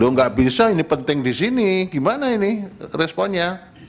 nggak bisa ini penting di sini gimana ini responnya